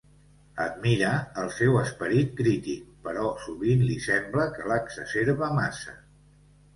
Admira el seu esperit crític, però sovint li sembla que l'exacerba massa.